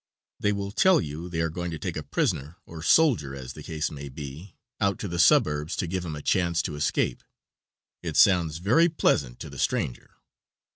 They will tell you they are going to take a prisoner, or soldier, as the case may be, out to the suburbs to give him a chance to escape. It sounds very pleasant to the stranger.